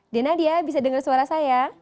denadia bisa dengar suara saya